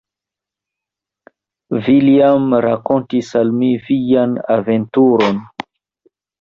Villiam rakontis al mi vian aventuron.